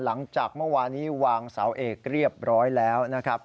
หลังจากเมื่อวานี้วางเสาเอกเรียบร้อยแล้วนะครับ